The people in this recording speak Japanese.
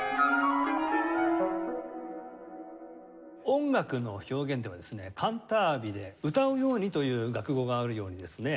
音楽の表現ではですねカンタービレ歌うようにという楽語があるようにですね